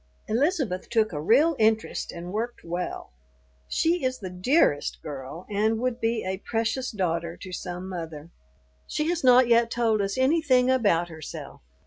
Elizabeth took a real interest and worked well. She is the dearest girl and would be a precious daughter to some mother. She has not yet told us anything about herself.